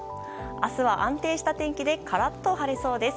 明日は安定した天気でカラッと晴れそうです。